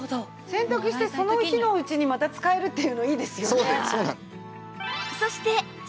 洗濯してその日のうちにまた使えるっていうのいいですよね。